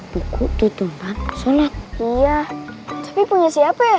buku tutupan sholat iya tapi punya siapa ya